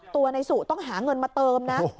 ตัวนายสุต้องหาเงินมาเติมนะ